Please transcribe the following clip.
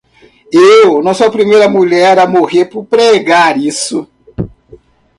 Eu não sou a primeira mulher a morrer por pregar isso.